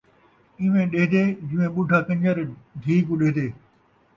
اینویں ݙیہدے جیویں ٻڈھا کنڄر دھی کوں ݙیہدے